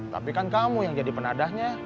tapi kan kamu yang jadi penadahnya